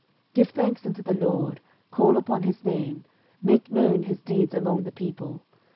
13:016:008 Give thanks unto the LORD, call upon his name, make known his deeds among the people.